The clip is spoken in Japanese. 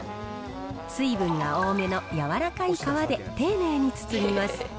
水分が多めの柔らかい皮で丁寧に包みます。